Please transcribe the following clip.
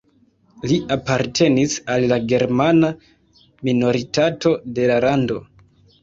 Li apartenis al la germana minoritato de la lando.